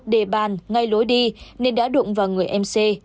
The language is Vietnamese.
để bàn ngay lối đi nên đã đụng vào người em c